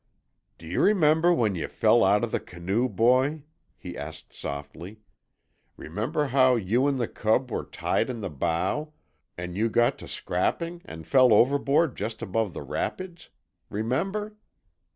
"D'ye remember when you fell out of the canoe, Boy?" he asked softly. "Remember how you 'n' the cub were tied in the bow, an' you got to scrapping and fell overboard just above the rapids? Remember?